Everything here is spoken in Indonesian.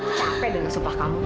capek dengan sumpah kamu